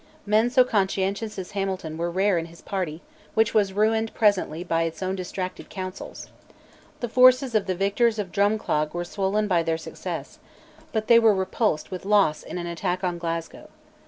Men so conscientious as Hamilton were rare in his party, which was ruined presently by its own distracted counsels. The forces of the victors of Drumclog were swollen by their success, but they were repulsed with loss in an attack on Glasgow.